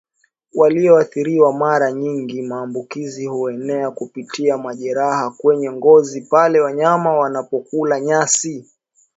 walioathiriwa Mara nyingi maambukizi huenea kupitia majeraha kwenye ngozi pale wanyama wanapokula nyasi